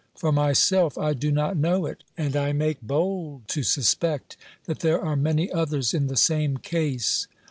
For myself, I do not know it, and I make bold to suspect that there are many others in the same case.